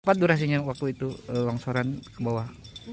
apa durasinya waktu itu longsoran ke bawah